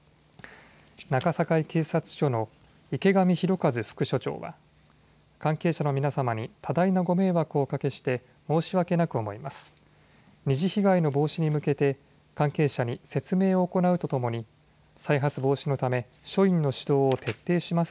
中堺警察署の池上博一副署長は関係者の皆様に多大なご迷惑をおかけして申し訳なく思います。